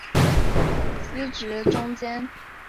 司职中坚。